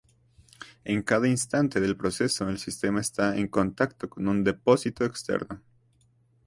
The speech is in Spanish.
En cada instante del proceso, el sistema está en contacto con un depósito externo.